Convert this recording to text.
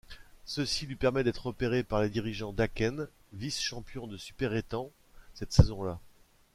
Ceci lui permet d'être repéré par les dirigeants d'Häcken, vice-champion de Superettan cette saison-là.